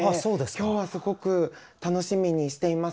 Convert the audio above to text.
今日はすごく楽しみにしています。